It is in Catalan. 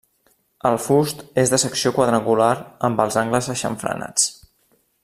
El fust és de secció quadrangular amb els angles aixamfranats.